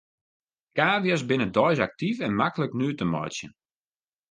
Kavia's binne deis aktyf en maklik nuet te meitsjen.